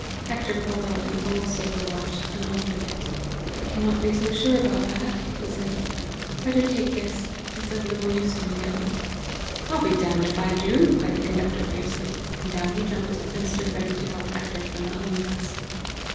Hector pulled out an old silver watch, and offered it. "I cannot be so sure about that," he said. "Better take this: it's of little use to me now." "I'll be damned if I do!" cried the conductor fiercely, and down he jumped and stood ready to help Hector from the omnibus.